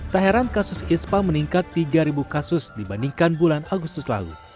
tak heran kasus ispa meningkat tiga kasus dibandingkan bulan agustus lalu